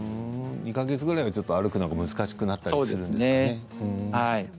２か月ぐらいは歩くのが難しくなったりするんですね。